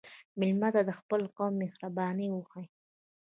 مېلمه ته د خپل قوم مهرباني وښیه.